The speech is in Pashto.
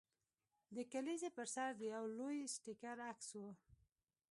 د کلیزې پر سر د یو لوی سټیپلر عکس و